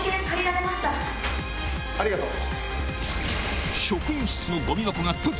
ありがとう。